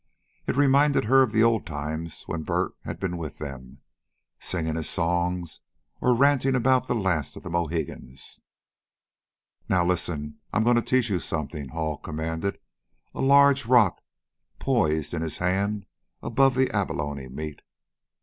It reminded her of the old times when Bert had been with them, singing his songs or ranting about the last of the Mohicans. "Now, listen; I'm going to teach you something," Hall commanded, a large round rock poised in his hand above the abalone meat.